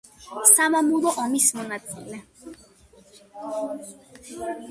სამამულო ომის მონაწილე.